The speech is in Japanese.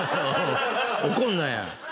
怒んなや。